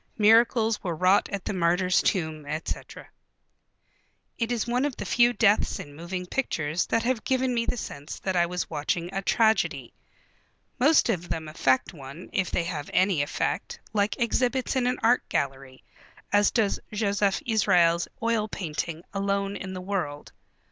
Miracles were wrought at the martyr's tomb, etc...." It is one of the few deaths in moving pictures that have given me the sense that I was watching a tragedy. Most of them affect one, if they have any effect, like exhibits in an art gallery, as does Josef Israels' oil painting, Alone in the World.